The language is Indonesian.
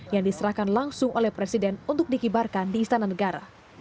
yang diserahkan langsung oleh presiden untuk dikibarkan di istana negara